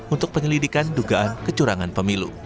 untuk penyelidikan dugaan kecurangan pemilu